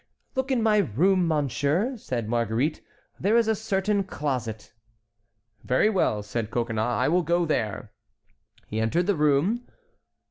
"Look in my room, monsieur," said Marguerite, "there is a certain closet"— "Very well," said Coconnas, "I will go there." He entered the room.